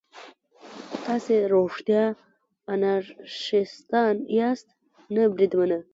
تاسې رښتیا انارشیستان یاست؟ نه بریدمنه.